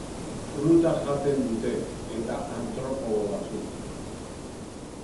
Fruta jaten dute, eta artropodo batzuk.